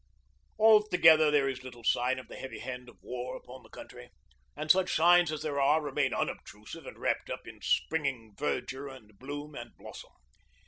Altogether there is little sign of the heavy hand of war upon the country, and such signs as there are remain unobtrusive and wrapped up in springing verdure and bloom and blossom.